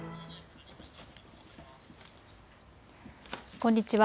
こんにちは。